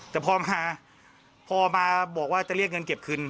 แต่พอมาพอมาบอกว่าจะเรียกเงินเก็บคืน